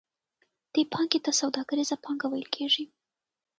دې پانګې ته سوداګریزه پانګه ویل کېږي